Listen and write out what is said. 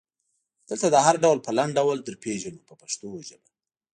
دلته دا هر ډول په لنډ ډول درپېژنو په پښتو ژبه.